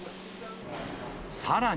さらに。